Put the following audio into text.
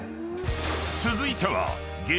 ［続いては激